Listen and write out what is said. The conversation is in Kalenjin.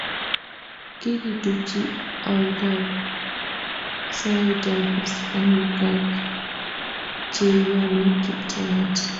kikituchi oldab saetab islamik ak che iyoni Kiptayat